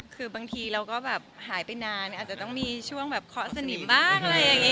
คือบางทีเราก็แบบหายไปนานอาจจะต้องมีช่วงแบบเคาะสนิมบ้างอะไรอย่างนี้